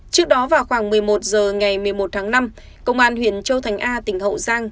trước đó vào khoảng một mươi một h ngày một mươi một tháng năm công an huyện châu thành a tỉnh hậu giang